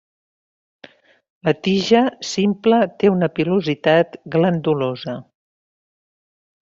La tija, simple, té una pilositat glandulosa.